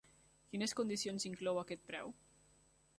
Quines condicions inclou aquest preu?